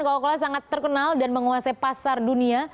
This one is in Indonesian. coca cola sangat terkenal dan menguasai pasar dunia